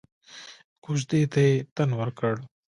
کوژدې ته يې تن ورکړ.